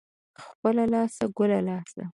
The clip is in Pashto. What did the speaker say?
خپله لاسه ، گله لاسه.